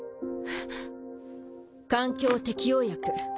南）環境適応薬